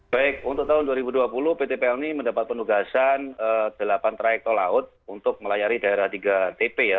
baik untuk tahun dua ribu dua puluh pt pelni mendapat penugasan delapan trayek tol laut untuk melayari daerah tiga tp ya